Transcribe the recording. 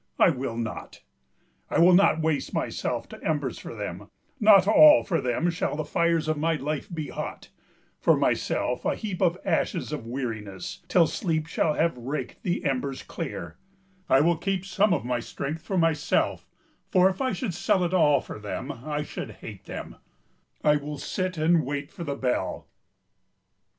I will not! I will not waste myself to embers for them, Not all for them shall the fires of my life be hot, For myself a heap of ashes of weariness, till sleep Shall have raked the embers clear: I will keep Some of my strength for myself, for if I should sell It all for them, I should hate them I will sit and wait for the bell.